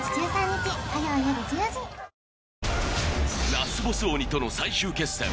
ラスボス鬼との最終決戦